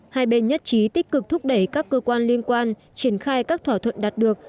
hai bên nhất trí tích cực thúc đẩy các cơ quan liên quan triển khai các thỏa thuận đạt được